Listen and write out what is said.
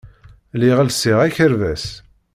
Lliɣ lsiɣ akerbas.